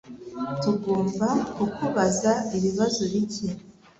Tugomba kukubaza ibibazo bike, .